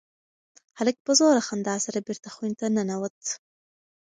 هلک په زوره خندا سره بېرته خونې ته ننوت.